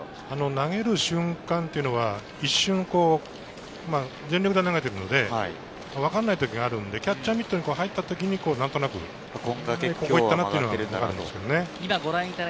投げる瞬間、一瞬、全力で投げているので分からない時もあるので、キャッチャーミットに入った時に、何となくここに行ったなっていうのがわかるんですよね。